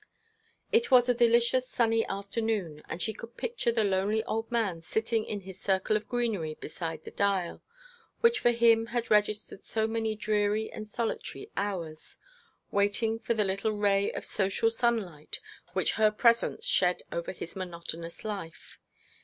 It was a delicious sunny afternoon, and she could picture the lonely old man sitting in his circle of greenery beside the dial, which for him had registered so many dreary and solitary hours, waiting for the little ray of social sunlight which her presence shed over his monotonous life.